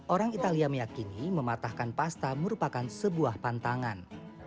orang italia meyakini mematahkan pasta merupakan sebuah pantangan